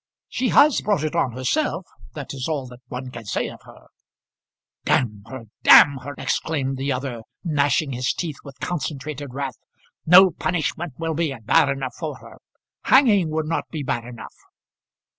She has brought it on herself; that is all that one can say of her." "D her! d her!" exclaimed the other, gnashing his teeth with concentrated wrath. "No punishment will be bad enough for her. Hanging would not be bad enough."